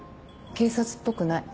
警察っぽくない。